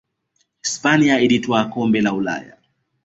hispania ilitwaa kombe la ulaya